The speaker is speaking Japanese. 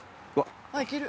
いける。